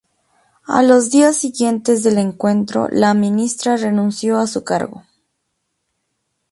A los días siguientes del encuentro, la ministra renunció a su cargo.